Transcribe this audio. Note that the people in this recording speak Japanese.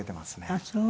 あっそう。